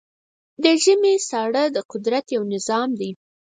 د ژمی ساړه د قدرت یو نظام دی.